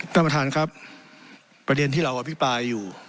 ต้องกันครับประเด็นที่เราอภิกษาอยู่